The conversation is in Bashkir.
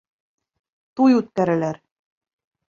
Туй үткәрәләр.